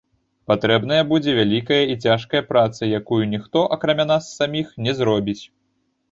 Патрэбная будзе вялікая і цяжкая праца, якую ніхто, акрамя нас саміх, не зробіць.